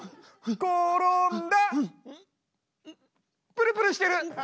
プルプルしてる！